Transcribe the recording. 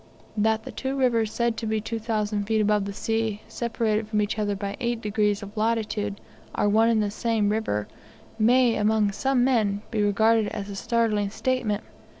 That the two rivers said to be 2,000 feet above the sea, separated from each other by 8 degrees of latitude, are one and the same river, may among some men be regarded as a startling statement.